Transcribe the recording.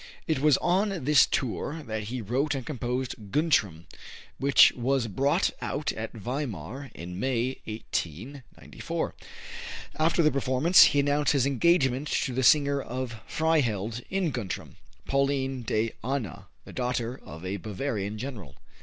It was on this tour that he wrote and composed "Guntram," which was brought out at Weimar in May, 1894. After the first performance, he announced his engagement to the singer of Freihild in "Guntram," Pauline de Ahna, the daughter of a Bavarian general.